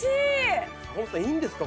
坂本さんいいんですか？